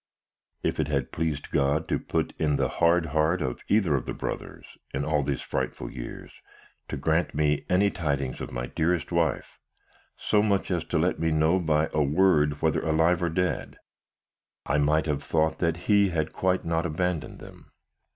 "If it had pleased God to put it in the hard heart of either of the brothers, in all these frightful years, to grant me any tidings of my dearest wife so much as to let me know by a word whether alive or dead I might have thought that He had not quite abandoned them.